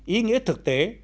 ý nghĩa thực tế